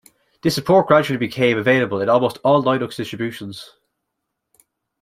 This support gradually became available in almost all Linux distributions.